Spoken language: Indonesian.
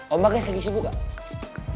om bagas lagi sibuk kak